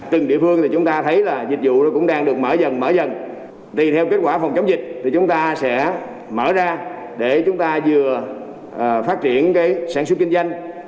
tuy theo kết quả phòng chống dịch thì chúng ta sẽ mở ra để chúng ta vừa phát triển sản xuất kinh doanh